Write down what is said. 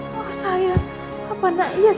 ini dia sekarang nangis ya mas